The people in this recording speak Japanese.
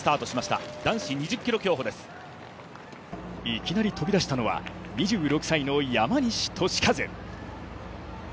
いきなり飛び出したのは、２６歳の山西利和。